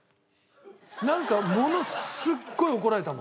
なんかものすっごい怒られたもんね。